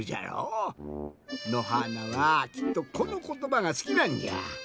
のはーなはきっとこのことばがすきなんじゃ。